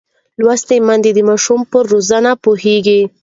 لوستې میندې د ماشوم پر روزنه پوهېږي.